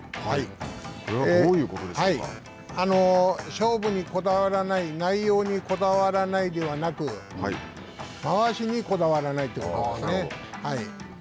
勝負にこだわらない内容にこだわらないではなくまわしにこだわらないということですね。